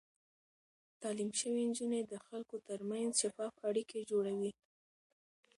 تعليم شوې نجونې د خلکو ترمنځ شفاف اړيکې جوړوي.